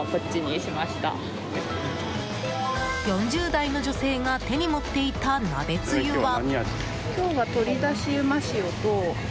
４０代の女性が手に持っていた鍋つゆは。